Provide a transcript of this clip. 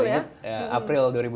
jadi kalau ingat april lalu